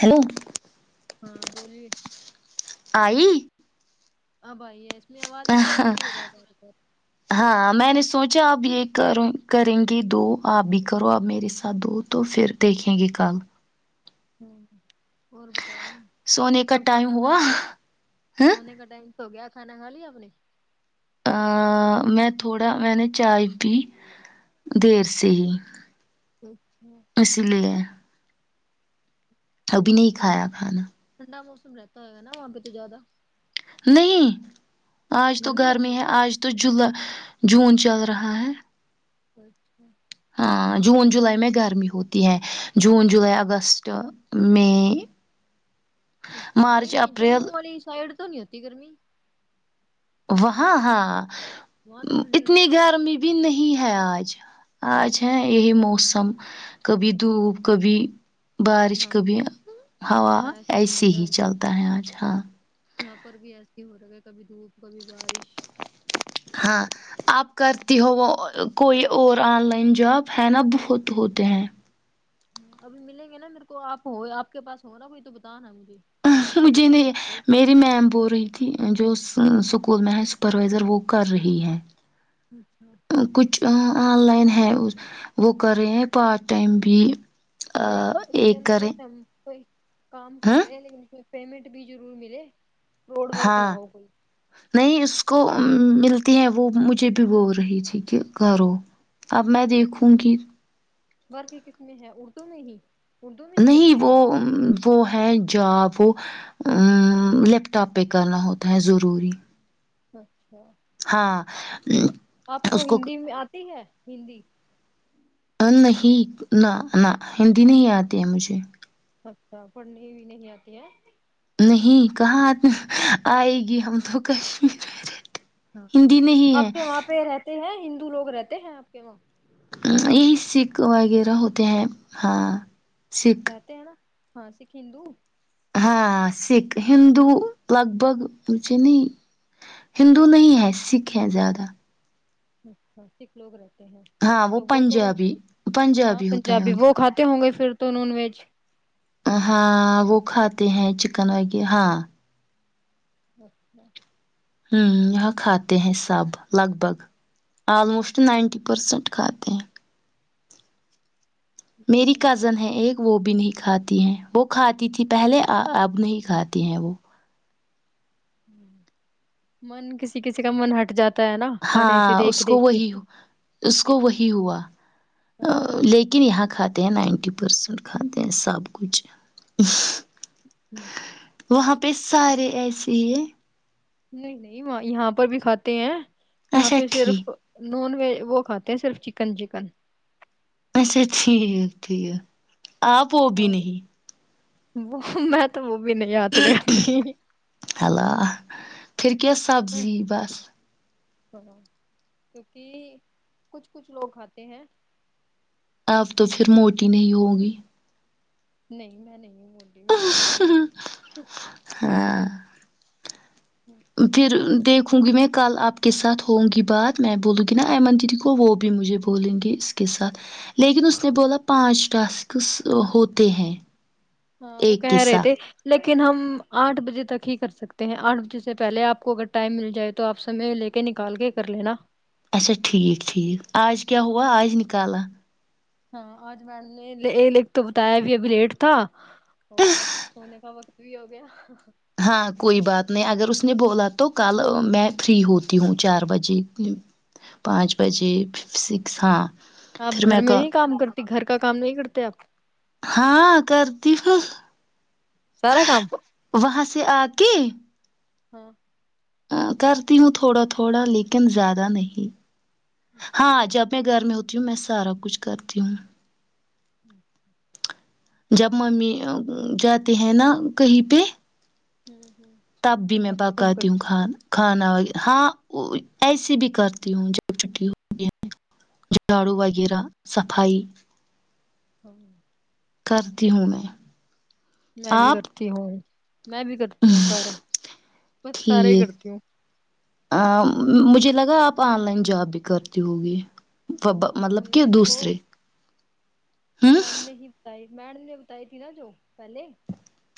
Hello ہاں بولیے آئی آ بائے اس میں آواز میں کیا ایشو ہو رہا ہے تھا اھر اچھا آپ یہ کر کریں گے دو آپ بھی کرو آپ میرے ساتھ دو تو پھر دیکھیں گے کل ہوں اور بتائی سونے کا اب ٹائم کھانا کا ہوا لیا ہاں سونے کا ڈائی س ہو گیا کھانا کھا لیا اپنی ا میں تھوڑا میں نے چائے پی دیر سے ہی اچھا اس لیے ابھی نہیں وہاں کھایا کھانا ٹھنڈا موسم رہتا ہو گا نا وہاں پہ تو زیادہ نہیں آج تو گرمی ہے آج تو جلہ جون چل رہا ہے اچھا ہاں جون جولائی میں گرمی ہوتی ہے جون جولائی اگست مئی چ اچھا مارچ نہیں اپریل جموں والی سائڈ تو نہیں ہوتی گرمی وہاں ہاں وہاں تو ٹھنڈ اتنی رہتی ہے گرمی بھی نہیں ہے ہے آج آج ہے یہی موسم کبھی دھوپ کبھی بارش ہاں کو بھی ہوا ایسے ہو ایسی رہا ہی چلتا ہے آج ہاں یہاں پر بھی ایسے ہو رہا ہے کبھی دھوپ کبھی بارش ہاں آپ کرتی ہو وہ کوئی اور آن لائن جاب ہے نا بہت ہوتے ہیں ابھی ملیں گے نا میرے کو آپ آپ کے پاس ہوناا کوئی تو بت نا ا مجھے نہیں میری میم بو رہی تھی جو اسکول میں ہے سپروائزر وہ کر رہی ہے اچھا ا کچھ آن لائن ہے وہ کر رہے ہیں پارٹ ٹائم بھی ب اس کے ایک اندر کریں جیسے ہم کوئی کام کر ہاں لے لیکن پھر پیمنٹ بھی ضرور ملے روڈ ورک نہ ہاں ہو کوئی نہیں اس کو ملتی ہیں وہ مجھے بھی بول رہی تھی کہ گو اب میں دیکھوں گی تو نہیں ہی اردو میں ہی نہیں کرتے ہیں وہ ہم وہ ہے جاب کو ا لیپ ٹاپ پہ کرنا ہوتا ہے ضروری ہچ ہاں [inaudible] آپ کو ہندی میں آتی ہے ہندی نہیں نہ نہ ہندی نہیں آتی ہے مجھے اچھا پڑھنے بھی نہیں آتی ہے نہیں کہاں آ آئے گی ہم تو کشمیر میں رہتے آپ کے وہاں پہ رہتے ہیں ہندو لوگ رہتے ہیں آپ کے وہاں یہی سکھ وغیرہ ہوتے ہیں ہاں سکھ وتے ہیں نا ہاں سکھ ہندو ہاں سکھ ہندو لگ بگ مجھے نہیں ہندو نہیں ہے سکھ ہیں زیادہ اچھا سھ لوگ رہتے ہاں تو وہ تو پنجابی ہاں ہوتا ہے پنجابی ان وہ کھاتے ہوں گے پھر تو نان ویج ہاں وہ کھاتے ہیں چکن ویرہ ہاں اچھا [inaudible] ہوں یہاں کھاتے ہیں سب لگ بھگ آللموسٹ نائنٹی پرسنٹ کھاتے ہیں میری اچھا کزن ہے ایک وہ بھی نہیں کھاتی ہیں وہ کھاتی تھی پہلے اب نہیں کھاتی ہیں وہ من کسی کسی کا من ہٹ جاتا ہے نا کھانے ہاں سے دیکھ اس کو دیکھ کے وہی ہاں اس کو وہی ہوا ہوں لیکن یہاں کا کھاتے ہیں نائنٹی پرسینٹ کھاتے ہیں سب کچھ وہاں پ سارے ایس یہ نہیں نہیں یہاں پر بھی کھاتے ہیں یہاں اچھا پہ ٹھیک صرف نان ویج وہ کھاتے ہیں صرف چکن چکن اچھا ٹھیک ٹھیک آپ وہ بھی اور نہیں وہ میں تو بھی نہیں ہاتھ لگاتی میں، ہیلو پھر کیا سبزی بس سناو کیونکہ کچھ کچھ لوگ کھاتے ہیں اب تو پھر موٹی نہیں ہوگی نہیں میں نہیں موٹی میں پتلی سی ہوں ہاں پھر دیکھوں گی میں کل آپ کے ساتھ ہووں گی بات میں بولوں گی نا ایمن دیدی کو وہ بھی مجھے بولیں گے اس کے ساتھ لیکن اس نے بولا پانچ ٹاسکس ہوتے ہیں ہاں وہ ایک کہہ کے رہے تھے ساتھ لیکن لیکن ہم آٹھ بجے تک ہی کر سکتے ہیں آٹھ بجے سے پہلے آپ کو اگر ٹائم مل جائے تو آپ سمے لے کے نکال کے کر لینا اچھا ٹھیک ٹھیک آج کیا کیا ہوا آج نکالا ہاں آج میم نے ل تو بتایاب ابھی لیٹ تھا اور اب سونے کا وقت بھی ہو گیا ہاں کوئی بات نہیں اگر اس نے بولا تو کل میں فری ہوتی ہوں چار بجے پانچ بجے سکس ہاں آپ پھر گھر میں کہ نہیں کام کرتے گھر کا کام نہیں کرتے آپ ہاں کرتی پ سارا کام وہاں سے آ کے ہاں ا کرتی ہوں تھوڑا تھوڑا لیکن زیاد نہیں ہاں جب میں گھر میں ہوتا تی ہوں میں سارا کچھ کرتی ہوں جب ممی جاتے ہیں نا کہیں پہ ہوں [inaudible] تب بھی میں اچھا تب پکاتم کرتے خانا و ہاں ایسی بھی کرتی ہوں جب چھٹی ہو گی ج جاڑو وغیرہ [unintelligible] صفائی [unintelligible] ہوں [unintelligible] کرتی ہوں میں [unintelligible] میں بھی آپ کرتی ہوں [unintelligible] میں بھی کرتی ہوں سارا بس سارا ہی ٹھیک کرتی ہوں [unintelligible] مجھے لگا آپ آن لائن جاب بھی کرتی ہوگی [unintelligible] نہیں نہیں آن مطلب کہ لائن وہ دوسرے ہ میڈم نے ہی بتائی میڈم نے بتائی تھی نا جو پہلے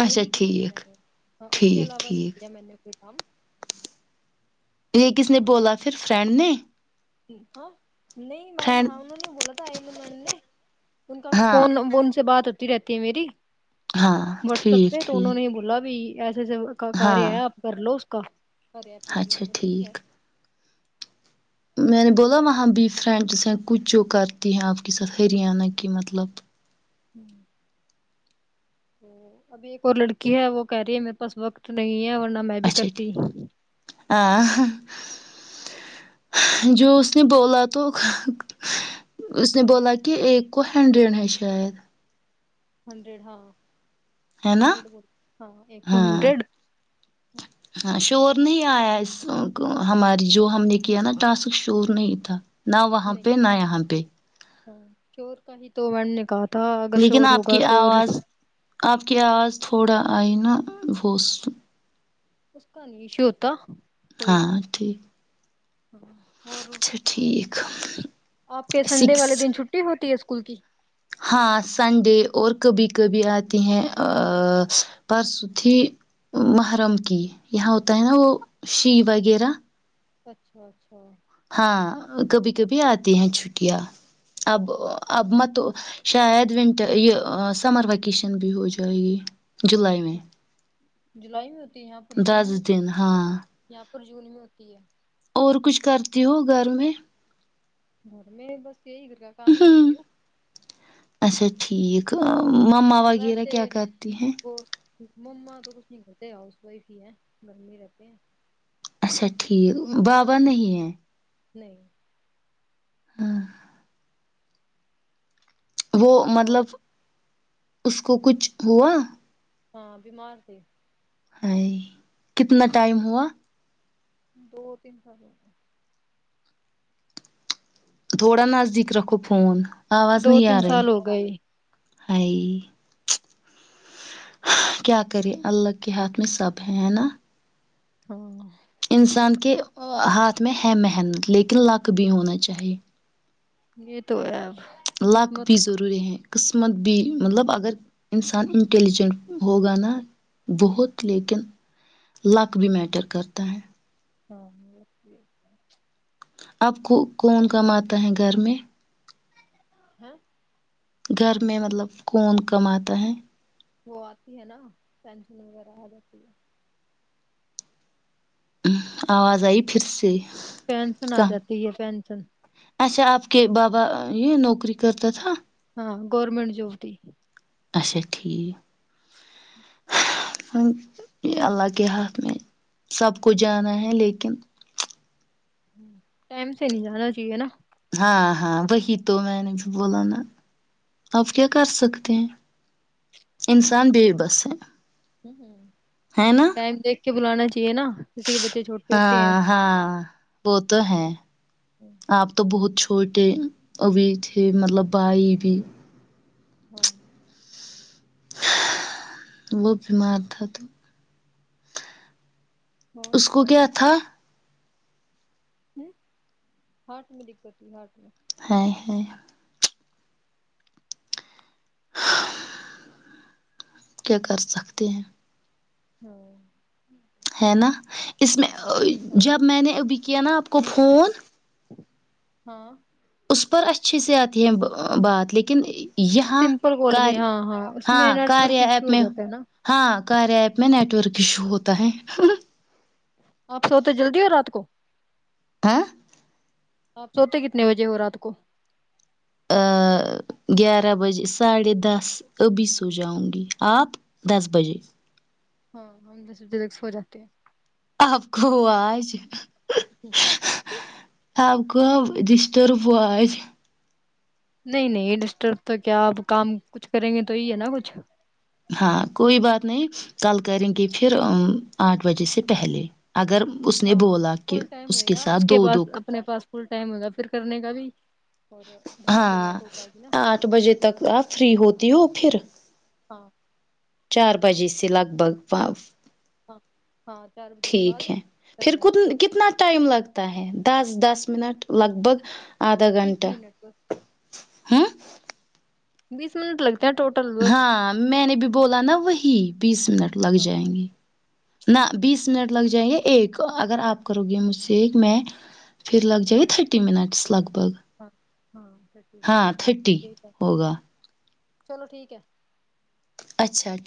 اچھا وہی کی تھی میں ٹھیک نے ہاں اس کے ٹھیک علاوہ نہیں ٹھیک کیا میں نے کوئی کام یہ کس نے بولا پھر فرینڈ نے جی ہاں نہیں میم فرینڈ ہاں انہوں نے بولا تھا ایمن میڈم نے ان کا ہاں فون ان سے بات رہتی ہے میری ہاں واٹسیپ ٹھیک پہ تو انہوں نے ہی ٹھیک بولا بھی سے کار ہاں آ آپ کر لو ک [unintelligible] کررے اپنے مل تو ٹھیک ہے میں نے بولا وہاں بھی فرینڈ جس ہیں کچھ جو کرتی ہیں آپ کے ساتھ ہریانہ کی مطلب ہمم ابھی ایک اور لڑکی ہے وہ کہہ رہی ہے میرے پاس وقت نہیں ہے ورنہ میں بھی اچھا کرتی ا ہاں جو اس نے بولا تو اس نے بولا کہ ایک کو ہینڈرین ہے شاید ہنڈریڈ ہاں ہے نا ہنڈریڈ ہاں ایک ہاں ہنڈریڈ ہاں شور نہیں آیا اس ہماری جو ہم نے کیا نا ٹاسک شور نہیں تھا نہ وہاں نہیں پہ نہ یہاں پہ ہاں شور [unintelligible] لیکن شور آپ ہوگا کی تو آواز اس آپ کی آواز تھوڑا آئی نا وہ اس کا نہیں ایشو ہوتا کوئی ہاں ٹھیک اور اچھا ٹھیک [inaudible] آپ کے سنڈے والے سکس دن چھٹی ہوتی ہے اس کلکی ہاں سنڈے اور کبھی کبھی آتے ہیں پرس تھی محرم کی یہاں ہوتا ہے نا وہ شی وغیرہ اچھا اچھا ہاں کبھی کبھی آتی ہیں چھٹیاں اب اب م تو شاید ونٹر یہ سمر ویکیشن بھی ہو جائے گی جولائی میں جولائی میں ہوتی ہے دس دن ہاں پرجنی میں ہوتی ہے اور کچھ کرتی ہو گھر میں گھر میں بس یہی گھر کا کام ہ نہیں کرتی ہوں اچھا ٹھیک مما وغیرہ ویسے کیا کرتی ہیں وہ مما تو کچھ نہیں کرتے ہاؤس وائف ہی ہے گھر میں رہتے ہیں اچھا ٹھیک بابا نہیں ہیں نہیں ہاں وہ مطلب اور اس کو کچھ ہوا ہاں بیمار س ہ کتنا ٹائم ہوا دو تین سالوں میں تھوڑا نزدیک رکھو فون دو تین سال ہو گئے ہی ہائے کیا کرے اللہ کے ہاتھ میں سب ہیں ہیں نا ہاں انسان کے ہاتھ میں ہے محنت لیکن لک بھی ہونا چاہیے یہ تو ہے لاک بھی قسمت ضروری ہے قسمت بھی مطلب اگر انسان انٹیلیجنٹ ہوگا نا بہت لیکن لک بھی میٹر کرتا ہے ہاں اب کو کون کماتا ہے گھر میں؟ ہاں گھر میں مطلب کون کماتا ہے وہ آتی ہے نا ینشن وغیرہ آ جاتی ہے آواز آئی پھر سے پینسن آ کم جاتی ہے پینسن کہ بابا یہ نوکری کرتا تھا ہاں گورورمنٹ جب ت اچھا ٹھیک اللہ کے ہاتھ میں سب کوچ جانا ہے لیکن ٹائم سے نہیں جانا چاہیے نا ہاں ہاں وہی تو میں نے جو بولا نا آپ کیا کر سکتے ہیں انسان بے بس ہے ہ ہوں ہے نا دیک بلانا چاہیے ن کسی کے بچے چھوٹے ہوتے ہیں ہاں ہاں وہ تو ہے آپ تو بہت چھوٹے ابھی تھے مطلب بھائی بھی ہاں وہ بیمار تھا تو اور اس کو کیا تھا ہ ہارٹ میں دقت ت ہرٹ میں ہ ہاں کیا کر سکتے ہیں ہاں ہے نا اس میں ہاں جب میں نے ابھی کیا نا آپ کو فون ہاں اس پر اچھی سے آتی ہیں بات لیکن یہاں سمپل کال کار میں ہاں اس ہاں میں نیٹ ورک کاریا ایشو ایپ ہو میں جاتا ہے نا ہاں کاریا ایپ میں نیٹورک کشو ہوتا ہے آپ سوتے جلدی ہو رات کو ہ آپ سوتے کتنے بجے ہو رات کو گیارہ بجے ساڑھے دس ابھی سو جاؤں گی آپ دس بجے ہاں ہم جسر جیک ہو جاتے ہیں آپ کوو آج [inaudible] سب کو دستت ر پواز نہیں نہیں ڈسٹرب تو کیا اب کام کچھ کریں گے تو ہی ہے نا کچھ ہاں کوئی بات نہیں کل کریں گے پھر آٹھ بجے سے پہلے اگر اس نے ہاں بولا کہ فل ٹائم اس ہوئے کے گا ساتھ دو پاس دک اپنے پاس فل ٹائم ہوگا پھر کرنے کا بھی اور ڈھنگ سے ہاں بات ہو پائے گی نا آٹھ بجے تک آپ فری ہوتی ہو پھر ہاں چار بجے سے لگ بھگ و ہاں ہاں چار بجے کے ٹھیک بعد ہے کر پھر لینا ک کتنا ٹائم لگتا ہے دس دس منٹ لگ بھگ آدھا بیس گھنٹہ منٹ بس ہاں بیس منٹ لگتا ہاں میں نے بھی بولا نا وہی بیس منٹ لگ ہاں جائیں گے نہ بیس منٹ لگ جائیں گے ایک اگر آپ کرو گے مجھ سے ایک میں پھر لگ جائےے ہاں تھرٹی منٹس لگ بھگ ہاں ہاں ہاں ٹھیک تھرٹی ہے ہوگا چلو ٹھیک ہے اچا ٹیک